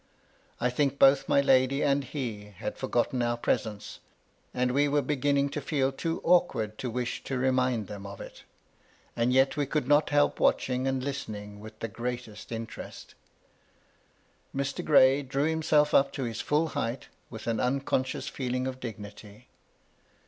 I think both my lady and he had forgotten our presence ; and we were beginning to feel too awkward to wish to remind them of it. And yet we could not help watching and listening with the greatest interest. Mr. Gray drew himself up to his fiill height, with an unconscious feeling of dignity.